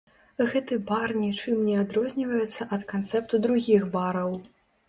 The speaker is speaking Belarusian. Гэты бар нічым не адрозніваецца ад канцэпту другіх бараў.